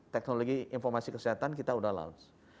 teknologi informasi kesehatan kita sudah launch